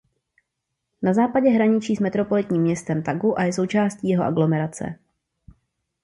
Na západě hraničí s metropolitním městem Tegu a je součástí jeho aglomerace.